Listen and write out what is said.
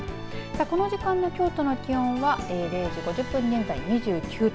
さあ、この時間の京都の気温は０時５０分現在、２９．３度。